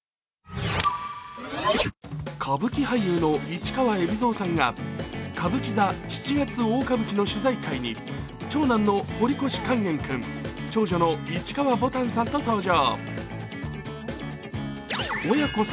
歌舞伎俳優の市川海老蔵さんが歌舞伎座「七月大歌舞伎」の取材会に、長男の堀越勸玄君、長女の市川ぼたんさんと登場。